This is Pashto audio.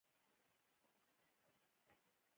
پکورې له مالګې پرته خوند نه لري